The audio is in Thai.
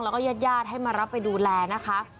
แล้วก็เย็ดให้มารับไปดูแลนะคะ